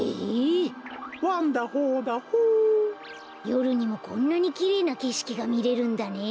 よるにもこんなにきれいなけしきがみれるんだね。